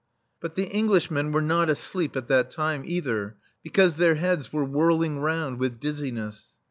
But the Englishmen were not asleep THE STEEL FLEA at that time, either, because their heads were whirling round with dizziness.